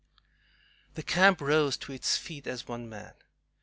The camp rose to its feet as one man!